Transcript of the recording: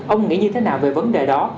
ông nghĩ như thế nào về vấn đề đó